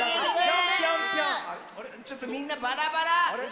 ちょっとみんなバラバラ！